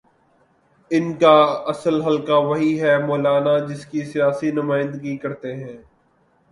ان کا اصل حلقہ وہی ہے، مولانا جس کی سیاسی نمائندگی کرتے ہیں۔